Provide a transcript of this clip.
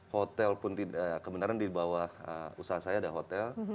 hotel pun tidak kebenaran di bawah usaha saya ada hotel